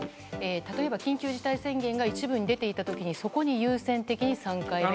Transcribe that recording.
例えば緊急事態宣言が一部に出ていた時にそこに優先的に３回目を回す？